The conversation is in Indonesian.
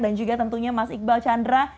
dan juga tentunya mas iqbal chandra